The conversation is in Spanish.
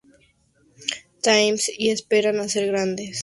Times y esperaban hacer grandes cosas para el año siguiente.